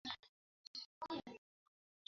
সিংহলের বৌদ্ধধর্ম আর জাপানের বৌদ্ধধর্ম ঢের তফাত।